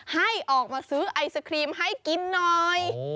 ให้ออกมาซื้อไอศครีมให้กินหน่อย